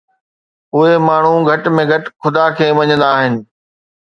اهي ماڻهو گهٽ ۾ گهٽ خدا کي مڃيندا آهن.